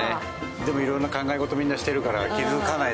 でも色々な考え事みんなしてるから気づかないだけで。